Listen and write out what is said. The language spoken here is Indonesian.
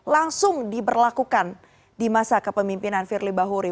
langsung diberlakukan di masa kepemimpinan firly bahuri